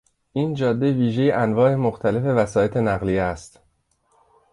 این جاده ویژهی انواع مختلف وسایط نقلیه است.